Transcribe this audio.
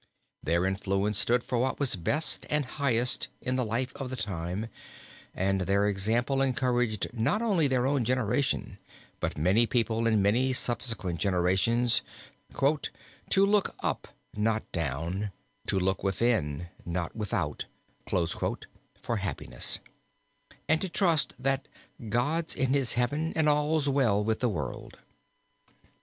Their influence stood for what was best and highest in the life of the time and their example encouraged not only their own generation, but many people in many subsequent generations "to look up, not down, to look within, not without" for happiness, and to trust that "God's in his heaven and all's well with the world."